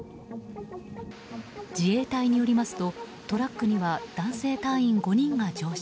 自衛隊によりますとトラックには男性隊員５人が乗車。